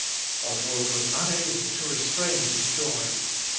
Oswald was unable to restrain his joy.